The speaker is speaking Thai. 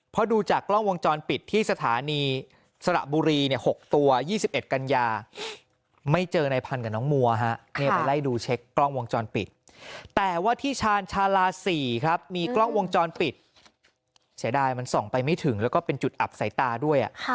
เพราะดูจากกล้องวงจรปิดที่สถานีรถไฟสระบุรีที่๖ตัว๒๑กัญญาไม่เจอนายพันธุ์กับน้องมัว